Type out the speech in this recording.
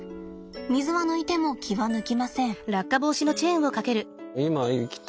水は抜いても気は抜きません。